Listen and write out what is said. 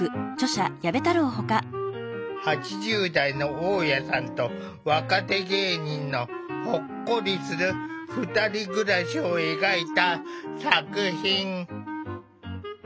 ８０代の大家さんと若手芸人のほっこりする２人暮らしを描いた作品。